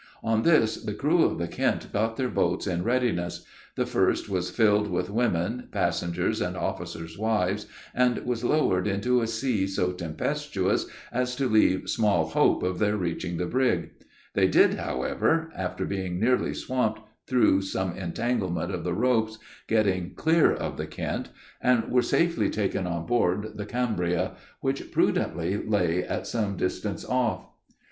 On this, the crew of the Kent got their boats in readiness; the first was filled with women, passengers, and officers' wives, and was lowered into a sea so tempestuous as to leave small hope of their reaching the brig; they did, however, after being nearly swamped through some entanglement of the ropes, getting clear of the Kent, and were safely taken on board the Cambria, which prudently lay at some distance off.